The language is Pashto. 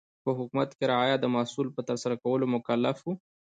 په حکومت کې رعایا د محصول په ترسره کولو مکلف و.